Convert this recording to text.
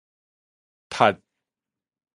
窒